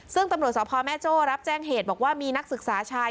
ซึ่งตำรวจสพแม่โจ้รับแจ้งเหตุบอกว่ามีนักศึกษาชาย